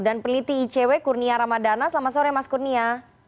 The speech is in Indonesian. dan peliti icw kurnia ramadana selamat sore mas kurnia